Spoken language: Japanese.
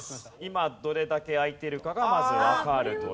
今どれだけ空いてるかがまずわかるという。